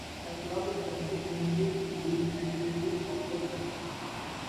The club is currently playing the Ligue Nationale du Football Amateur.